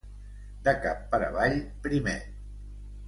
De cap per avall, primet.